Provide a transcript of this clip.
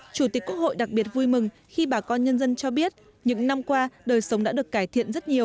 chủ tịch quốc hội đặc biệt vui mừng khi bà con nhân dân cho biết những năm qua đời sống đã được cải thiện rất nhiều